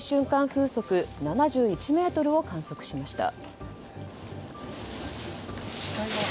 風速７１メートルを観測しました。